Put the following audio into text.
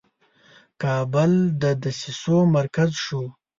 کابل د دسیسو مرکز شو.